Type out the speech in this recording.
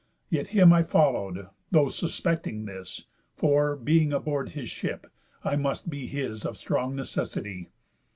Yet him I follow'd, though suspecting this, For, being aboard his ship, I must be his Of strong necessity.